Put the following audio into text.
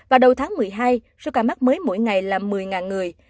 và đầu tháng một mươi hai số ca mắc mới mỗi ngày là một mươi người